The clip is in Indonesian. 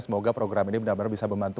semoga program ini benar benar bisa membantu